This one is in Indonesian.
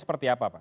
seperti apa pak